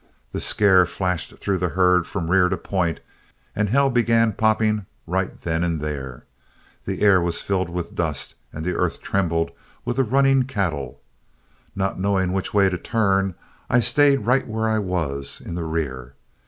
The scare flashed through the herd from rear to point, and hell began popping right then and there. The air filled with dust and the earth trembled with the running cattle. Not knowing which way to turn, I stayed right where I was in the rear.